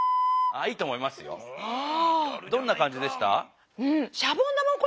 どんな感じでした？